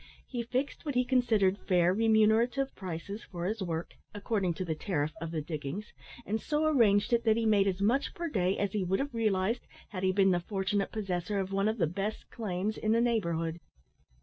He fixed what he considered fair remunerative prices for his work, according to the tariff of the diggings, and so arranged it that he made as much per day as he would have realised had he been the fortunate possessor of one of the best "claims" in the neighbourhood.